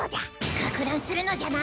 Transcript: かく乱するのじゃな。